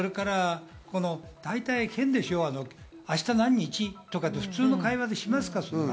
大体変でしょ、明日何日？とか普通の会話でしますか？